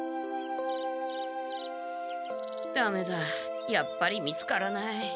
ダメだやっぱり見つからない。